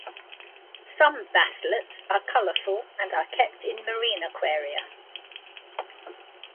Some basslets are colorful and are kept in marine aquaria.